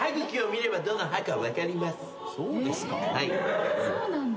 えそうなんだ。